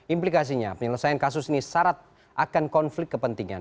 implikasinya penyelesaian kasus ini syarat akan konflik kepentingan